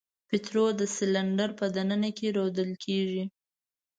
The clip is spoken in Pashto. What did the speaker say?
پطرول د سلنډر په د ننه کې رودل کیږي.